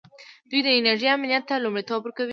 دوی د انرژۍ امنیت ته لومړیتوب ورکوي.